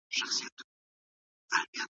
که موږ خپل کلتور وپېژنو نو نړۍ به مو وپېژني.